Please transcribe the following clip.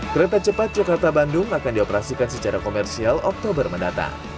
kereta cepat jakarta bandung akan dioperasikan secara komersial oktober mendatang